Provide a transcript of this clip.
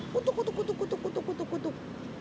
kutuk kutuk kutuk kutuk kutuk kutuk kutub